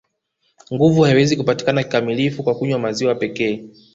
Nguvu haiwezi kupatikana kikamilifu kwa kunywa maziwa pekee